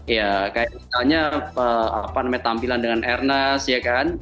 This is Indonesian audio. ya kayak misalnya memperkenalkan tampilan dengan ernest ya kan